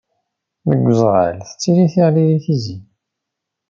Deg uzɣal tettili tiɣli di Tizi.